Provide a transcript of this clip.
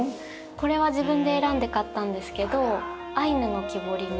これは自分で選んで買ったんですけどアイヌの木彫りの。